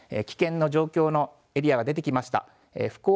危険な状況のエリアが出てきました。